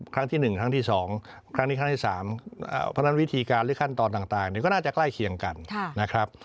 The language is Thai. ครั้งที่๑ครั้งที่๒ครั้งนี้ครั้งที่๓เพราะฉะนั้นวิธีการหรือขั้นตอนต่างก็น่าจะใกล้เคียงกันนะครับ